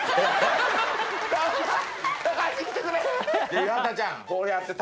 岩田ちゃん。